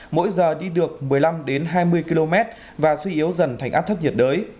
mỗi giờ đi được một mươi năm hai mươi km và suy yếu dần thành áp thấp nhiệt đới